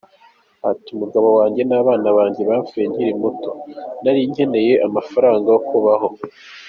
Ati “Umugabo wanjye n’abana banjye bapfuye nkiri muto, nari nkeneye amafaranga yo kubaho.